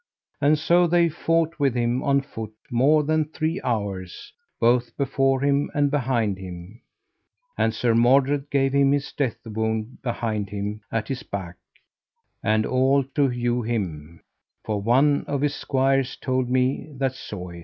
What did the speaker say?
And so they fought with him on foot more than three hours, both before him and behind him; and Sir Mordred gave him his death wound behind him at his back, and all to hew him: for one of his squires told me that saw it.